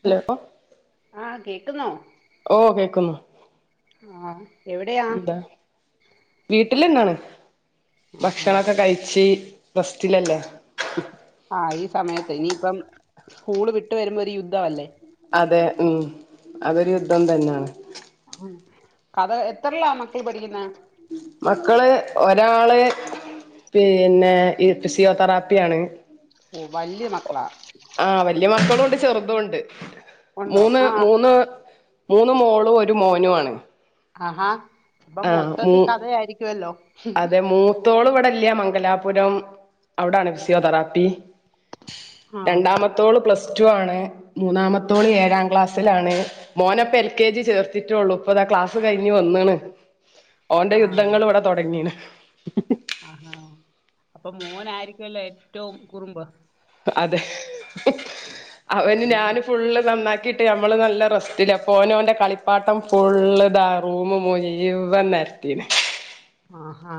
Hello ആഹ് ഓ കേക്കുന്നു ആഹ എവിടെയാ വട്ടിലന്താണ് ആഹാ ഭക്ഷണൊക്കെ കഴിച്ച് സ്റ്റിലല്ലേ ആഹ ഈ സമയത്ത് ഇനിയിപ്പം സ്കൂള് വിട്ടു വരുമ്പോ ഒരു യുദ്ധമല്ലേ അതെ ഉം അതൊരു യുദ്ധം തന്നെയാണ് ഉം കഥ എത്രല്ലാ മക്കൾ പഠിക്കുന്ന മക്കള് ഒരാള് പിന്നെ ഈ ഫിസിയോതെറാപ്പിയ ആാണ് വല്ലിമക്കള ആഹ് വലിയ മക്കളും ഉണ്ട് ചെറുതുംണ്ട് ഉണ്ടോ മൂന്ന് ആഹ് മൂന്ന് മൂന്ന് മോളും ഒരു മോനു ആണ്- ആഹാ അപ്പൊ മൊത്തത്തിൽ കഥയായിരിക്കുവല്ലോ? അതെ മൂത്തോള് ഇവിടെല്ലൃ മംഗലാപുരം അവിടാണ് ഫിസിയോതെറാപ്പി- ആഹ് രണ്ടാമത്തോള് പ്ലസ്- ടുആണ് മൂന്നാമത്തോള് ഏഴാം ക്ലാസിലാണ് മോനെപ്പൊഎ ൽകെ ജി ചേർത്തിട്ടേള്ളു ഇപ്പം ദാ ക്ലാസ് കഴിഞ്ഞ് വന്ന്ണ് ഓന്റെ ആഹ് യുദ്ധങ്ങള് ഇവിടെ തുടങ്ങീണ്- ആഹാ അപ്പൊ മോനായിരിക്കുമല്ലോ ഏറ്റവും കുറുമ്പ്- അതെ അവന് കുഞ്ഞ് ഞാന് ഫുള്ള് നന്നാക്ക്- ക്കീട്ട് നമ്മള് നല്ല റസ്റ്റല്ല ഓനോന്റെറെ കളിപ്പാട്ടം ഫുള് ഇതാ റൂമ് മുഴ്വൻനെ [inaudible] ആഹാ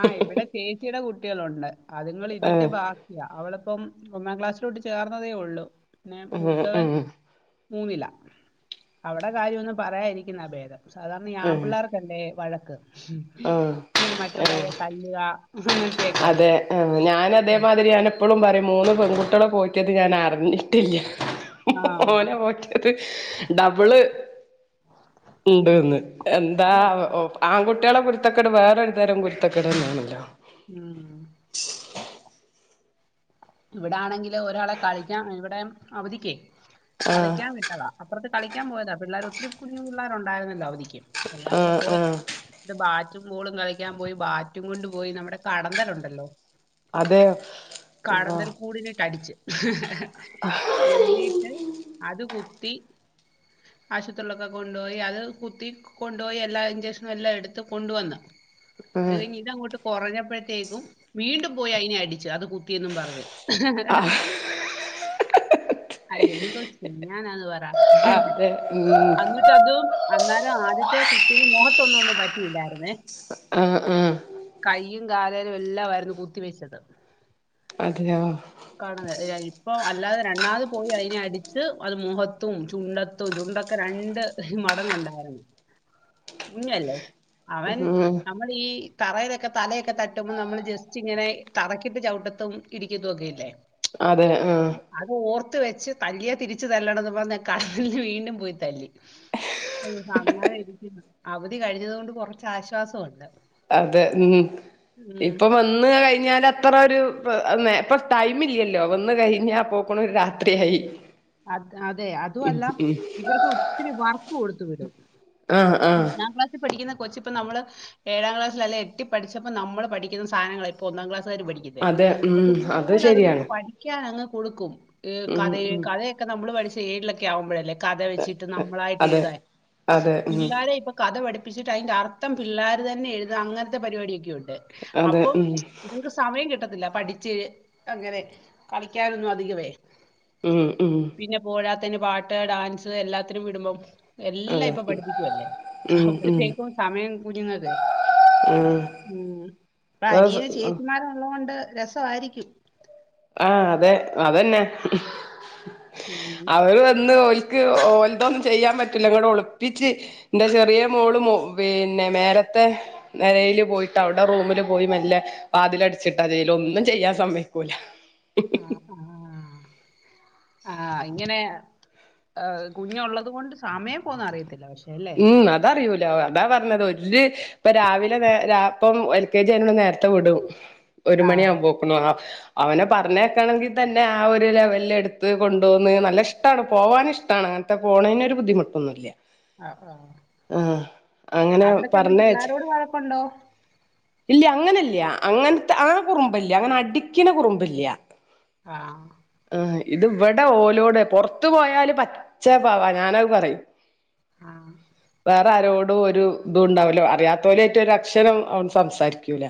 ആഹ് ഇവിടെ ചേച്ചിയുടെ കുട്ടികളുണ്ട്- അതുങ്ങൾ ഇതിന്റെ ആഹ് ബാക്കിയ അവളിപ്പം ഒന്നാം ക്ലാസ്സിലോട്ട് ചേർന്നതേ ഒള്ളു- പിന്നെ ആഹ് മൂത്തവൻ ആഹ് മൂന്നില അവിടെ കാര്യം ഒന്നും പറയതിരിക്കുന്ന ഭേദം- സാധാരണ ഈ ആ ആഹ് പിള്ളേർക്കല്ലേ വഴക്ക് ആഹ് ഇങ്ങെ ആഹ് മറ്റുള്ളവരെ തല്ലുക- അങ്ങനത്തെയൊക്കെ അതെ ആഹ് ഞാൻ അതേമാതിരി ഞാന് എപ്പളും പറയും- മൂന്ന് പെൺകുട്ടികളെ പോറ്റിയത് ഞാൻ അറിഞ്ഞിട്ടില്ല- ആ ഓനെ ഓന്റെത് ഡബിള്. ഉണ്ട്ന്ന് എന്താ അതെ ഓ ആകു ട്ട്യാളെ കുരുത്തക്കട് വേറൊര് തരം കുരുത്തകെടന്നാണല്ലോ. ആഹ് ഇവിടാണെങ്കിൽ ഒരാളെ കളിക്കാ ഇവിടെ അവധിക്കേ ആഹ് കളിക്കാൻ വിട്ടതാ അപ്പൊറ്ത്തെ കളിക്കാൻ പോയതാ പിള്ളേർ ഒത്തിരി കുഞ്ഞു പിള്ളേരു ണ്ടായിരുന്നില്ലോ അവധിക്കു എല്ലാം കൂടെ ആഹ് പോയതാ ആഹ് ന്നിട്ട് ബ റ്റും ബോളും കളിക്കാൻ പോയി ബാറ്റും കൊണ്ട്പോയി നമ്മടെ കടന്തലുണ്ടല്ലോ അതെ കടന്നൽ കൂടിനിട്ട് അടിച്ച് എന്നീട്ട് അത് കു ത്തി ആശുത്രിയിലൊക്കെ കൊണ്ടോയി അത് കുത്തി കൊണ്ടോയി എല്ലാ ഇഞ്ചഷനും എല്ലാം എടുത്ത് കൊണ്ട് വന്ന്. അത് കഴിഞ്ഞ് ഇത് അങ്ങോട്ട് കൊറഞ്ഞപ്പോഴത്തേക്കും വീണ്ടും പോയി അയിനെ അടിച്ചു അത് കു ത്തിന്നും പറഞ്ഞ് ആ എന്തോ ചെയ്യാനാന്ന് പറ അള്ളാ അന്നിട്ട് അതു അന്നേരൊ ആദ്യത്തെ കുത്തിന് മൊഖത്തൊന്നു ഒന്നും പറ്റിയില്ലായിര്ന്നെ ആഹ് ആഹ് കാലേലും എല്ലാമായിരുന്നു കുത്തി വെച്ചത് അതെയോ കാണ ഇപ്പോ അല്ലാതെ രണ്ടാമത് പോയി അയിനെ അടിച്ച് അത് മൊഖത്തും ചുണ്ടത്തും ചുണ്ടൊക്കെ രണ്ട് മടങ്ങുണ്ടായിരുന്നു കുഞ്ഞല്ലേ അവൻ ഉം നമ്മള് ഈ തറയിലൊക്കെ തലയൊക്കെ തട്ടുമ്പോൾ നമ്മൾ ജസ്റ്റ് ഇങ്ങനെ തറക്കിട്ട് ചവിട്ടത്തും ഇടിക്കത്തു ഒക്കെയില്ലേ? അതെ ആഹ് അത് ഓർത്ത് വെച്ച് തല്ലിയാ തിരിച്ച് തല്ലണംന്ന് പറഞ്ഞ് കടന്നല്നെ വീണ്ടും പോയി തല്ലി. അയ്യോ അങ്ങനെ ഇരിക്കുന്നു അവധി കഴിഞ്ഞത് കൊണ്ട് കൊറച്ച് ആശ്വാസമുണ്ട്. അതെ ഉം ഉം ഇപ്പം വന്ന് കഴിഞ്ഞാല്. അത്ര ഒരു ഇപ്പ അ ന്നെ പ്പ ടൈം ഇല്ലല്ലോ വന്ന് കഴിഞ്ഞ അപ്പോക്കുണ് രാത്രിയായി അത് അതെ ഉം അതുവല്ലാം ഉം ഇവർക്ക് ഒത്തിരി വർക്ക് കൊടുത്ത് വിടും. ആഹ് ആഹ് ഒന്നാം ക്ലാസ്സിൽ പഠിക്കുന്ന കൊച്ച് ഇപ്പ നമ്മള് ഏഴാം ക്ലാസ്ലല്ലെ എട്ടി പഠിച്ചപ്പോ നമ്മൾ പഠിക്കുന്ന സാധനങ്ങള ഇപ്പൊ ഒന്നാം ക്ലാ അതെ [unintelligible] ഉം അത് അതുപോലെ ശരിയാണ് അത്ങ്ങക്ക് പഠിക്കാനങ്ങ് കൊടുക്കും ഉം കഥയെ ഉം കഥ നമ്മള് പഠിച്ചെ ഏയിലൊക്കെ ആവുമ്പഴല്ലേ കഥ വെച്ചിട്ട് നമ്മളായിട്ട് അതെ എഴുതാൻ അതെ ഉം പിള്ളേരെയിപ്പോ കഥ പഠി പ്പിച്ചിട്ട് തിൻ്റെർത്തം പിള്ളേർ തന്നെ എഴുത അങ്ങൻത്തെ പരിപാടിയൊക്കെ ഉണ്ട്. അതെ അപ്പം ഉം ഇത്ങ്ങക്ക് സമയം കിട്ടത്തില്ല. പഠിച്ച് അങ്ങനെ കളിക്കാനൊന്നു അധികവെ ഉം ഉം. പിന്നെ പോരാത്ത്ന് പാട്ട് ഡാൻസ് എല്ലാത്തിനും വിടുമ്പം. എല്ലാം അതെ ഇപ്പൊ പഠിപ്പിക്കുവല്ലേ ഉം ഉം ഉം അപ്പഴത്തേക്കും സമയം കുഞ്ഞുങ്ങക്ക്. ഉം അപ്പൊ ഇപ്പൊ അനിയന് ചേച്ചിമാരുള്ളോണ്ട് രസവായിയിരിക്കും. ആഹ അതെ അതന്നെ ഉം അവര് വന്ന് ഓല് ൽക്ക് ഓല്തൊന്നും ചെയ്യാൻ പറ്റില്ല ങ്ങട് ഒളിപ്പിച്ച് ന്റെ ചെറിയ മോള് മോ പിന്നെ മേ ത്തെ നെലേല് പോയിട്ട് അവ്ടെ റൂമിൽ പോയി മെല്ല വാതിലട്ച്ചിട്ട ചെയ്യല് ഒന്നും ചെയ്യാൻ സമൈ [inaudible] അ ആ. ആ ഇങ്ങനെ എ കുഞ്ഞുള്ളത് കൊണ്ട് സമയം പോന്ന അറിയത്തില്ല ശെ ഉം അതറിയൂലോ അതാ പറഞ്ഞത് ഒര് ഇപ്പ രാവിലെ വെ രാ പ്പം എൽ കെ ജി അയിനൊണ്ട് നേര്ത്തെ വിടും ഒരു ആ മണി ആവുമ്പോക്കിനും. അവനെ പറഞ്ഞേക്കണെങ്കിൽ തന്നെ ആ ഒരു ലെവലിൽ ടുത്ത് കൊണ്ടോന്ന് നല്ല ഇഷ്ട്ടാണ് പോവാന് ഇഷ്ട്ടാണ്. അങ്ങൻത്തെ പോണീനൊരു ബുദ്ധിമുട്ടൊന്നുല്ല്യ. ആ, ആ. ആഹ് അങ്ങനെ അവിടെ ചെന്ന് പറഞ്ഞേച്ച്. പിള്ളേരോട് വഴക്കുണ്ടോ ഇല്യ അങ്ങനില്യ അങ്ങനത്തെ ആ കുറുമ്പില്യ അങ്ങനെ അടിക്കണ കുറുമ്പില്യ ആഹ ഇത് ഇവിടെ ഓലോടെ പൊറത്ത് പോയാല് പച്ച പാവാ ഞാന പറയും ആഹ വേറെ ആരോടും ഒരു ഇതുണ്ടാവൂല്ല അറിയാത്തോരായിട്ടു ഒരു അക്ഷരം അവ സംസാരിക്കൂല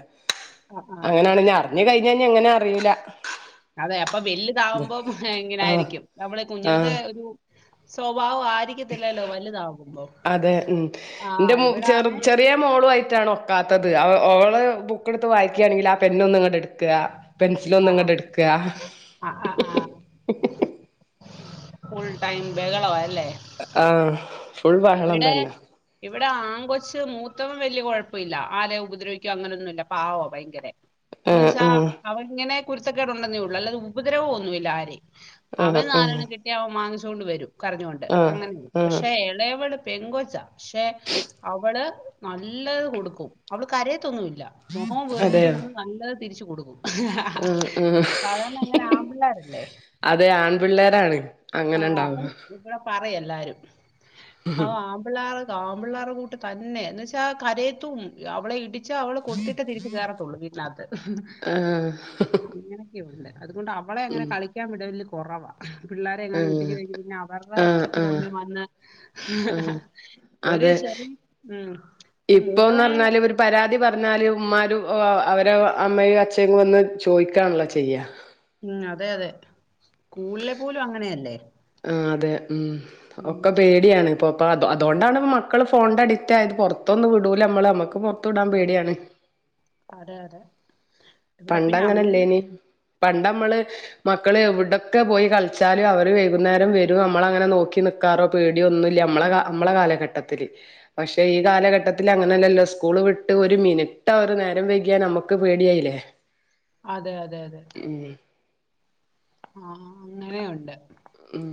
ആ, ആ. അങ്ങനെയാണ് നി അറിഞ്ഞു കയിഞ്ഞ എങ്ങനാ അറിയൂല അതെ അപ്പൊ ഇത് വല്താവുമ്പം ഇങ്ങനെ ആഹ് ആയിരിക്കും നമ്മള് കുഞ്ഞിലത്തെ ആഹ് ഒരു സ്വഭാവം ആയിരിക്കത്തില്ലല്ലോ വലുതാകുമ്പോ അതെ ഉം ആ ന്റെ ഇവിടാണ് ചെറുത് ചെറിയ മോളുയായി ഒക്കാത്തത് അവ ഓളെ ബുക്കെടുത്തു വായിക്കുകയാണെങ്കിൽ ആ പെന്നൊന്നിങ്ങാട്ട് എടു എടുക്ക ആ പെൻസിലോന്നിങ്ങാട്ട് എടുക്കുക ആ ആ ഫുൾ ടൈം ബെഹളവാ ല്ലേ ആഹ ഇവിടെ ഇവിടെ ആ കൊച്ച് മൂത്തവൻ വല്യ കൊഴപ്പല്ല ആര ഉപദ്രവിക്കും അങ്ങനെയൊന്നുമല്ല പാവോ ഭയങ്കരെ എന്ന ആഹ് വെച്ചാ അവരിങ്ങനെ കുരുത്തക്കെട് ഒണ്ടെന്നേ ഉള്ളൂ അല്ലാത് ഉപദ്രവ ഒന്നു ഇല്ല ആരേം ആഹ് അവന് ആഹ് നാലെണ്ണം കിട്ടിയാ അവൻ മാങ്ങിച്ചൊണ്ട് വരും കരഞ്ഞോണ്ട് ആഹ് അങ്ങനെയ ആഹ് ആഹ് പക്ഷെ എളയോ അവള് പെങ്കൊച്ച പക്ഷെ അവള് നല്ലത് കൊടുക്കും അവള് കരയത്തൊന്നൂല്യ ഇല്ല മുഖം വെറുപ്പിച്ചു അതെയോ നിന്ന് നല്ലത് തിരിച്ചു കൊടുക്കും ഹ ഹ ഹാ ആഹ് ആഹ് സാധാരണ അങ്ങനെ ആമ്പിള്ളോരല്ലേ അതെ ആൺപിള്ളേരാണ് അങ്ങനെ ആഹ ഉണ്ടാവ അപ്പൊ ഇവിടെ പറയ് എല്ലാരും ആ ആമ്പിള്ളാർ ആമ്പിള്ളേർ കൂട്ട് തന്നെ എന്നുവച്ചാ കരയത്തുംല്ലാ അവളെ ഇട്ടിച്ച് രിച്ച അവള് കൊടുത്തിട്ടേ തിരിച്ച് കേറത്തുള്ളൂ വീട്ടിനകത്ത് ആഹ് അങ്ങനെയൊക്കെയുണ്ട് അതുകൊണ്ട് അവളെ അങ്ങനെ ഉം കളിക്കാൻ വിടല് കുറവാ പിള്ളേരെങ്ങാനും ആഹ് വീട്ടിക്ക് പിന്നെ അവർടെ ആഹ് ആഹ് അച്ഛനുംമ്മേം വന്നു ആഹ് അതെ ഇപ്പൊന്ന് പറഞ്ഞാല് ഒരു പരാതി പറഞ്ഞാല് ഉമ്മാരു ഉം അവര് അമ്മയും അച്ഛയും വന്ന് ചോദിക്കാണല്ലോ ചെയ്യാ ഉം അതെ അതെ സ്കൂളില് പോലും അങ്ങനെയല്ലേ അതെ ഉം ഉം ഒക്കെ ഉം. പേടിയാണ് ഇപ്പൊ പ്പൊ അതൊണ്ടാണ് മക്കള് ഫോണിന്റെ അഡിക്ട് ആയത് പറത്തൊന്ന വീടുലമ്മള് നമുക്ക് അതെ അതെ ഇവിടെ പിന്നെ അങ്ങ് പണ്ടങ്ങനല്ലേനി പണ്ടമ്മള് മക്കൾ എവിടെയൊക്കെ പോയി കളിച്ചാലും അവര് വൈകുന്നേരം വരും നമ്മള അങ്ങനെ നോക്കി നക്കാറോ പേട് ഒന്നൂല്യ നമ്മളെ നമ്മള കാലഘട്ടം പക്ഷെ ഈ കാലഘട്ടത്തിൽ അങ്ങനെല്ലല്ലോ സ്കൂള് വിട്ട് ഒരു മിനിട്ട് അവര് നേരം വൈകിയാ നമുക്കൊ ക്കെ പേടിയാവില്ലേ അതെ അതെ അതെ ആ അങ്ങനെയുണ്ട് ഉം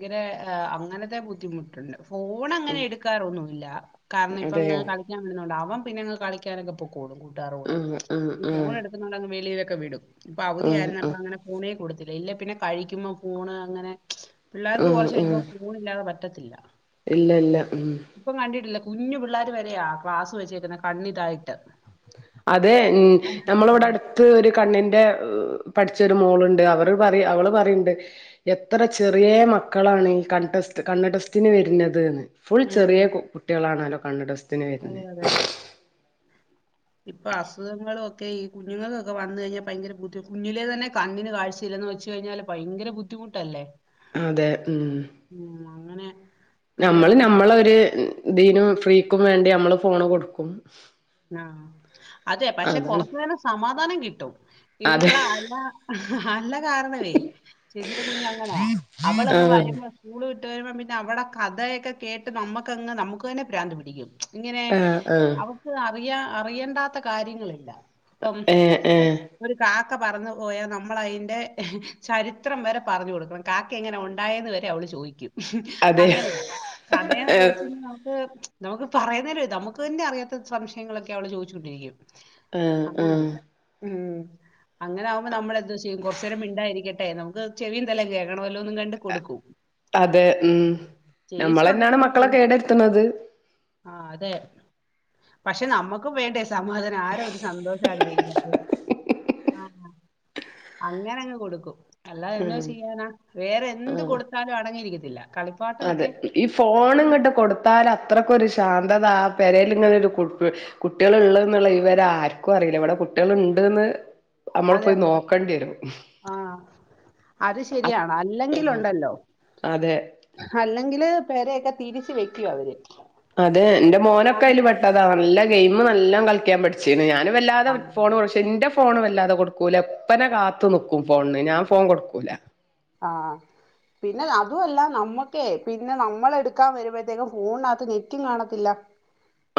ഭയങ്കരെ ഏ അങ്ങനത്തെ ബുദ്ധിമുട്ടുണ്ട് ഫോൺ അങ്ങനെ ഉം എടുക്കാറൊന്നുവില്ല കാരണം ഇപ്പ അങ്ങ് അതെയോ കളിക്കാൻ വിടുന്നകൊണ്ട് അവൻ പിന്നെ അങ്ങ് കളിക്കാനൊക്കെ പൊക്കോ ളും കൂട്ടുകാരുടെ കൂടെ ആഹ് ആഹ് ഈ ഫോൺ ആഹ് ഫോൺ എടുക്കുന്നകൊണ്ട് വെളിയിലൊക്കെ വിടും ഇപ്പോ ആഹ് അവധിയായിരുന്നപ്പോ ആഹ് അങ്ങനെ ഫോണേ കൊടുത്തില്ല ഇല്ലേ പിന്നെ കഴിക്കുമ്പോ ഫോണ് അങ്ങനെ പിള്ളേർക്ക് ആഹ് കുറച്ച് ആഹ് കഴിയുമ്പോ ഫോണില്ലാതെ പ റ്റത്തില്ല ഇല്ല ഇല്ല ഉം കുഞ്ഞ് പിള്ളാര് വരെയാ ഗ്ലാസ്സ് വെച്ചേക്കുന്നെ കണ്ണിതായിട്ട് അതെ ഉം കണ്ണാടി നമ്മടെ ഇവിടെ വെച്ചേക്കുന്നെ. അടുത്ത് ഒരു കണ്ണിന്റെ ഉം പഠിച്ചൊരു മോളുണ്ട് അവർ പറ അവള് പറയണ്ട് എത്ര ചെറിയ മക്കളാണ് ഈ കൺ ടെ സ്റ്റ് കണ്ണ് ടെസ്റ്റിന് വരുന്നത് എന്ന് ഫുൾ ചെറിയ ഉം കു കുട്ടികളാണല്ലോ കണ്ണ് ടെസ്റ്റിന് അതെ വരുന്നത് അതെ ഇപ്പൊ അസുഖങ്ങളുമൊക്കെ ഈ കുഞ്ഞുങ്ങൾക്കൊക്കെ വന്നു കഴിഞ്ഞാൽ ഭയങ്കര ബുധ കുഞ്ഞിലെ തന്നെ കണ്ണിന് കാഴ്ചയില്ലാ ന്ന് വച്ച് കഴിഞ്ഞാല് ഭയങ്കര ബുദ്ധിമുട്ടല്ലേ അതെ ഉം ഉം അങ്ങനെ നമ്മള് വലുതാവുമ്പോ നമ്മളൊ ഒരു ഇതിന്‌ ഫ്രീ ക്കും വേണ്ടി നമ്മള് ഫോൺ കൊടുക്കും ആ അതെ പക്ഷെ അതാണ് കൊറച്ചു നേരം സമാധാനം കിട്ടും അതെ ഇതുങ്ങള അല്ല അല്ല കാരണവേ ചേച്ചിടെ കുഞ്ഞ് അങ്ങനാ അവള് ആഹ് വരുമ്പോ സ്കൂള് വിട്ടു വരുമ്പോ പിന്നെ അവിടെ കഥയൊക്കെ കേട്ട് നമ്മക്കങ്ങ് നമുക്ക് തന്നെ പ്രാന്ത് പിടിക്കും ഇങ്ങനെ ആഹ് ആഹ് അവക്ക് അറിയാ അറിയണ്ടാത്ത കാര്യങ്ങളില്ല അപ്പം ഏഹ് ഇ ഏഹ് ഒരു കാ ക്ക പറന്ന് പോയാൽ നമ്മള് അതിന്റെ ചരിത്രം വരെ പറഞ്ഞു കൊടുക്കണം കാക്ക എങ്ങനെ ഉണ്ടായേന്ന് വരെ അവള് ചോദിക്കും അതെ അങ്ങനെയാ കഥ എന്നൊക്കെ വെച്ച് ആഹ് നമുക്ക് നമുക്ക് പറയുന്നേല നമുക്ക് തന്നെ അറിയാത്ത സംശയങ്ങളൊക്കെ അവള് ചോദിച്ചൊണ്ടിരിക്കും ആഹ് അങ്ങനെയുണ്ട് ഉം അങ്ങനെ ആകുമ്പോ നമ്മളെന്തോ ചെയ്യും കുറച്ച് നേരം മിണ്ടാതിരിക്കട്ടെ നമുക്ക് ചെവിയും തലയും കേക്കണോല്ലോന്നും കണ്ട് കൊടുക്കും അതെ ഉം ചേച്ചി നമ്മള് ഉണ്ട് തന്നെയാണ് പിന്നെ മക്കളെ ചേ- കേട് വരുത്തുന്നത് ആ അതെ പക്ഷെ നമ്മക്കും വേണ്ടേ സമാധാനം ആരാ ഒരു സന്തോഷം ആഗ്രഹിക്കാത്തെ ആ അങ്ങനങ്ങ് കൊടുക്കും അല്ലാതെ എന്നോ ഉം ചെയ്യാനാ വേറെ എന്ത് ആഹ് കൊടുത്താലും അടങ്ങിയിരിക്കത്തില്ല അതെ കളിപ്പാട്ടമൊക്കെ ഈ ഫോണ് ഇപ്പോഴത്തെ- ഇങ്ങോട്ട് കൊടുത്താൽ അത്രക്കൊരു ശാന്തത പെരേൽ ഇങ്ങനെ ഒരു കു കുട്ടികൾ ഉള്ളത് എന്നുള്ള വിവരം ആർക്കും അറിയില്ല ഇവിടെ കുട്ടികള് ഉണ്ടെന്ന് നമ്മള് അതെ പോയി അതെ. നോക്കേണ്ടി വരും ആ. അത് ശരിയാണോ അല്ലെങ്കിൽ ആഹ് ഉണ്ടല്ലോ അതെ അല്ലെങ്കില് പെരെയൊക്കെ തിരിച്ച് വെക്കും അവര് അതെ എന്റെ മോനൊക്കെ അതില് അങ്ങ് പെട്ടതാ നല്ല ഗെയിമും എല്ലാം കളിക്കാൻ പഠിച്ച് ഞാനും വല്ലാതെ ആ. ഫോണ് കുറച്ച് എന്റെ ഫോൺ വല്ലാതെ കൊടുക്കൂല അപ്പനെ കാത്തു നിക്കും ഫോണിന് ഞാൻ ഫോൺ കൊടുക്കൂല ആ പിന്നെ അതും അല്ല നമ്മക്കേ പിന്നെ നമ്മള് എടുക്കാൻ വരുമ്പോഴത്തേക്കും ഫോണിനകത്ത് നെറ്റും കാണത്തില്ല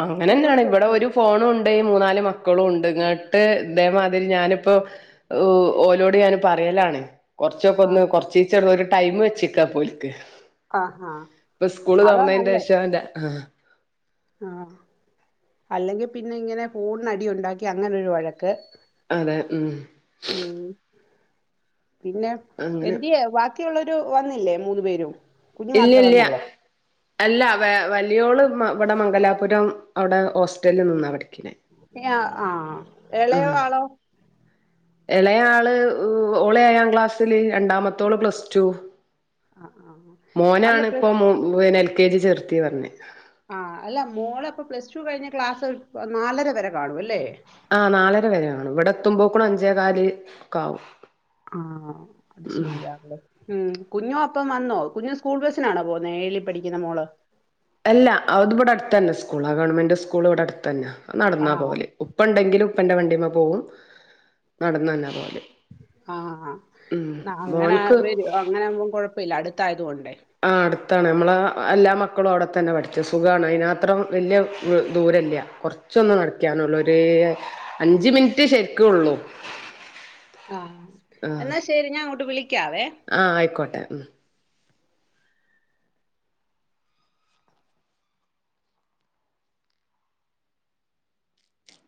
അങ്ങനെ തന്നെയാണ് തീർത്ത് ഇവിടെ ഒരു വെച്ചേക്കും. ഫോണും ഉണ്ട് മൂന്നാല് മക്കളും ഉണ്ട് ഇട്ട് ഇതേമാതിരി ഞാനിപ്പോ ഓലോട് ഞാന് പറയലാണ് കൊറച്ചൊക്കെ ആ. ഒന്ന് കൊറച്ച് ചെറിയൊരു ടൈമ് വെച്ചേക്കാ ഇപ്പോ ഓൽക്ക് ആ ആ. ഇപ്പം സ്കൂള് അതാ തുറന്നതിന്റെ നല്ലേ. ശേഷം ഓന്റെ ആ ആ അല്ലെങ്കിൽ പിന്നെ ഇങ്ങനെ ഫോണിന് അടി ഉണ്ടാക്കി അങ്ങനൊരു വഴക്ക് അതെ ഉം ഉം. പിന്നെ അങ്ങനെ എന്ന്ത്യ ബാക്കിയുള്ളൊരു വന്നില്ലേ മൂന്ന്ു പേരും കുഞ്ഞു ഇല്ല മാത്രേ ഇല്ല വന്നുള്ളൂ അല്ല വ വലിയോള് ഇവിടെ മംഗലാപുരം അവിടെ ഹോസ്റ്റലിൽ നിന്നാവിഠിക്കണ ആഹ എളയോ ആളോ ഇളയ ആള് ഓളെ ആയാാം ക്ലാസ്സിില് രണ്ടാമത്തോള് പ്ലസ് ടു ആഹ് ആഹ് അല്ല മോനാണ് ഇപ്പൊ plus P L K G ചേർത്തി പറഞ്ഞെ ആ അല്ല മോളെ ഇപ്പൊ പ്ലസ് ടു കഴിഞ്ഞ ക്ലാസ് നാലര വരെ കാണൂല്ലേ ആ ഇവിടെ എത്തുമ്പോ കൂടെ അഞ്ചേ കാലി ഒക്കെ ആാവും ആഹ അത് ശരിയാവെ ഉം കുഞ്ഞോ അപ്പം വന്നോ കുഞ്ഞു സ്കൂൾ ബസ്സിനാണോ പോുന്ന എഏഴി പഠിക്കുന്ന മോള് അല്ല അത് ഇവിടെ അടുത്ത തന്നെ സ്കൂൾ ആ ഗവൺമെന്റ് സ്കൂൾ ഇവിടെ അടുത്ത തന്നെ നടന്നാ ആഹ് പോലെ ഉപ്പ ഉണ്ടെങ്കിലിൽ ഉപ്പന്റെ വണ്ടിമ്മ പോകും നടന്നന്ന ആഹ അങ്ങനെ മോൻക്ക് വര അങ്ങനെ ആവുമ്പോം കുഴപ്പമില്ല അടുത്തായത കൊൊണ്ട് ആ അടുത്താണ് നമ്മള എല്ലാ മക്കളും അവിടെ തന്നെ പഠിച്ചു സുഖമാണ് അതിനത്രം വലിയ ദൂര കുറച്ചൊന്ന് നടക്കാനുള്ളൂ അഞ്ച് മിനിറ്റ് ശരിക്കള്ളൂ ആഹ എന്നാ ശരി ഞാൻ അങ്ങോട്ട് വിളിക്ക ആഹ ആയിക്കോട്ടെ ഉ